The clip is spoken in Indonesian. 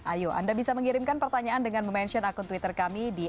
ayo anda bisa mengirimkan pertanyaan dengan mention akun twitter kami di